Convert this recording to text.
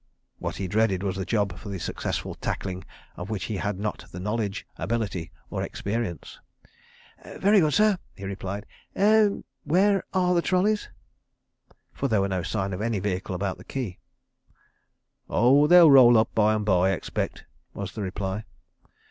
What he dreaded was the job for the successful tackling of which he had not the knowledge, ability or experience. "Very good, sir," he replied. "Er—where are the trolleys?" for there was no sign of any vehicle about the quay. "Oh, they'll roll up by and by, I expect," was the reply.